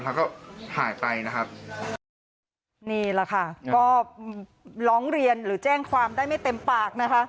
แล้วก็หายไปนะครับนี่แหละค่ะก็ร้องเรียนหรือแจ้งความได้ไม่เต็มปากนะคะ